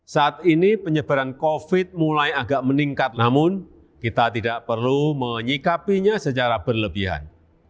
saat ini penyebaran covid mulai agak meningkat namun kita tidak perlu menyikapinya secara berlebihan